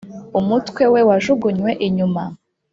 umutwe we wajugunywe inyuma